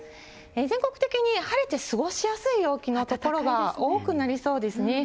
全国的に、晴れて過ごしやすい陽気の所が多くなりそうですね。